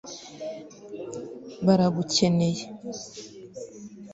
baragukeneye